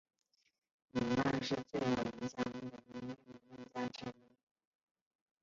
里曼是最有影响力的音乐理论家之一。